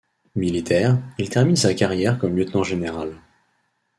Militaire, il termine sa carrière comme lieutenant général.